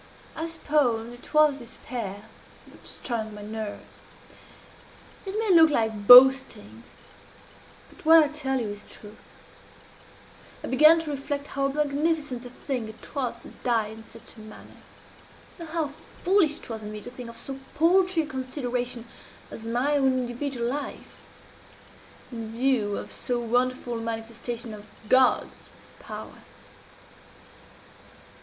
I suppose it was despair that strung my nerves. "It may look like boasting but what I tell you is truth I began to reflect how magnificent a thing it was to die in such a manner, and how foolish it was in me to think of so paltry a consideration as my own individual life, in view of so wonderful a manifestation of God's power.